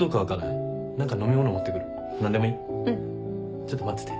ちょっと待ってて。